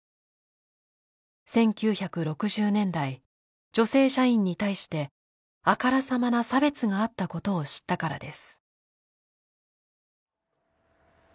１９６０年代女性社員に対してあからさまな差別があったことを知ったからです。